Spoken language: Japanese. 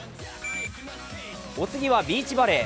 お次はビーチバレー。